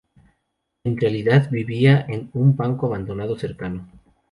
En realidad vivía en un banco abandonado cercano.